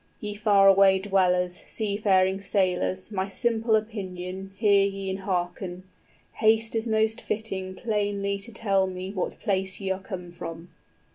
Ye far away dwellers, Sea faring sailors, my simple opinion Hear ye and hearken: haste is most fitting Plainly to tell me what place ye are come from."